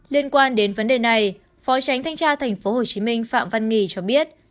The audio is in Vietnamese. liên quan đến vấn đề này phó tránh thanh tra tp hcm phạm văn nghi cho biết